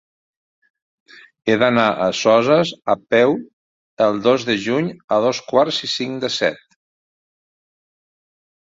He d'anar a Soses a peu el dos de juny a dos quarts i cinc de set.